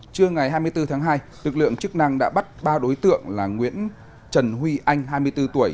trưa ngày hai mươi bốn tháng hai lực lượng chức năng đã bắt ba đối tượng là nguyễn trần huy anh hai mươi bốn tuổi